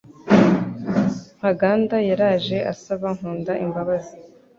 Ntaganda yaraje asaba Nkunda imbabazi